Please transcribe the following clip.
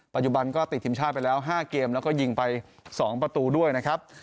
ปัจจุบันก็ติดทีมชาติไปแล้ว๕เกมแล้วก็ยิงไป๒ประตูด้วยนะครับ